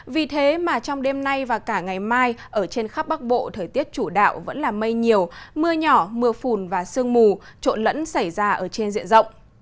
vì thế mà trong đêm nay và cả ngày mai ở trên khắp bắc bộ thời tiết chủ đạo vẫn là mây nhiều mưa nhỏ mưa phùn và sương mù trộn lẫn xảy ra ở trên diện rộng